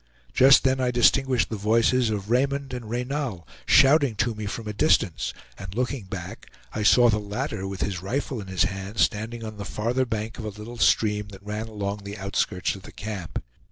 Just then I distinguished the voices of Raymond and Reynal, shouting to me from a distance, and looking back, I saw the latter with his rifle in his hand, standing on the farther bank of a little stream that ran along the outskirts of the camp.